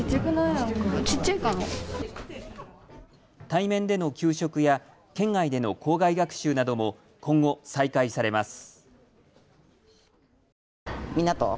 対面での給食や県外での校外学習なども今後、再開されます。